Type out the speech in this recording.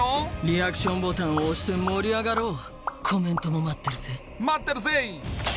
リアクションボタンを押して盛り上がろうコメントも待ってるぜ待ってるぜ！